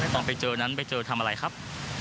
ตอนไปเจอนั้นไปเจอทำอะไรครับ